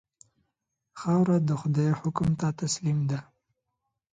خاوره د خدای حکم ته تسلیم ده.